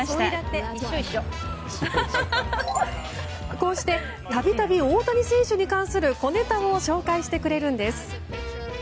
こうして、度々大谷選手に関する小ネタを紹介してくれるんです。